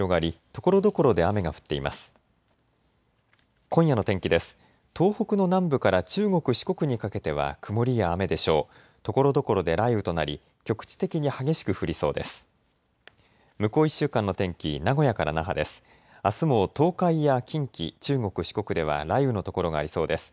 ところどころで雷雨となり局地的に激しく降りそうです。